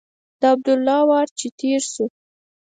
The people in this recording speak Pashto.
د عبدالله وار چې تېر شو.